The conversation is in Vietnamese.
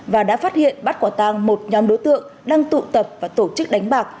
và đã phát hiện bắt quả tàng một nhóm đối tượng đang tụ tập và tổ chức đánh bạc